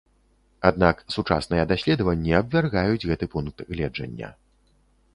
Аднак сучасныя даследаванні абвяргаюць гэты пункт гледжання.